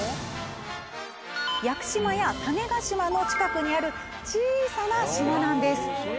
屋久島や種子島の近くにある小さな島なんです。